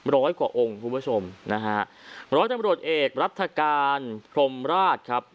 ร้อยกว่าองค์คุณผู้ชมนะฮะร้อยตำรวจเอกรัฐกาลพรมราชครับ